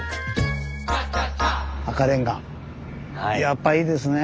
やっぱいいですね。